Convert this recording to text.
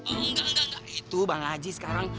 enggak enggak enggak itu bang haji sekarang